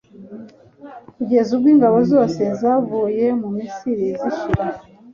kugeza ubwo ingabo zose zavuye mu misiri zishira